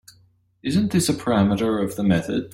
Isn’t this a parameter of the method?